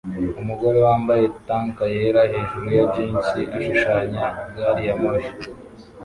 Umugore wambaye tank yera hejuru na jeans ashushanya gari ya moshi